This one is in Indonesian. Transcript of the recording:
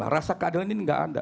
rasa keadilan ini tidak ada